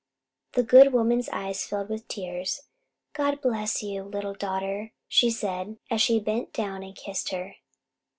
The good woman's eyes filled with tears. "God bless you, little daughter," she said, as she bent down and kissed her.